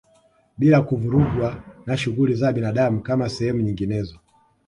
Bila kuvurugwa na shughuli za binadamu kama sehemu nyinginezo